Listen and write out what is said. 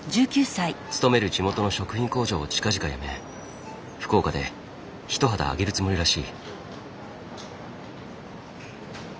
勤める地元の食品工場を近々辞め福岡で一旗揚げるつもりらしい。